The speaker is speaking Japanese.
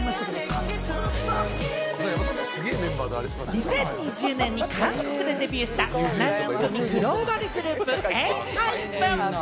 ２０２０年に韓国でデビューした７人組グローバルグループ、ＥＮＨＹＰＥＮ。